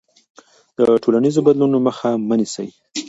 د ټولنیزو بدلونونو مخه مه نیسه.